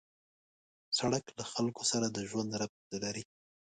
سړک له خلکو سره د ژوند ربط لري.